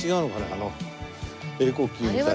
あの英国旗みたいな。